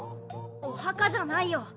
お墓じゃないよ。